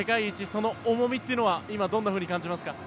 その重みというのは今どんなふうに感じますか？